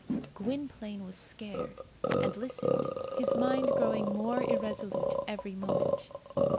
Gwynplaine was scared, and listened, his mind growing more irresolute every moment.